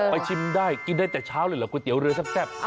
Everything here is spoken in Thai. ชิมได้กินได้แต่เช้าเลยเหรอก๋วเตี๋เรือแซ่บ